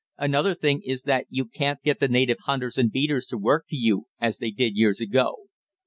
Another thing is that you can't get the native hunters and beaters to work for you as they did years ago."